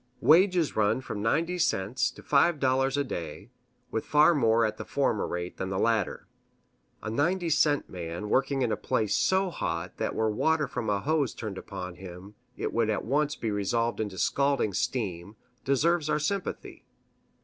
Wages run from ninety cents to five dollars a day, with far more at the former rate than the latter. A ninety cent man working in a place so hot that were water from a hose turned upon him it would at once be resolved into scalding steam, deserves our sympathy.